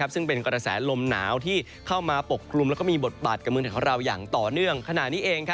ซึ่งเป็นกระแสลมลมหนาวที่เข้ามาปกครุมและมีบทบาทกำลังอย่างต่อเนื่องขนาดนี้เอง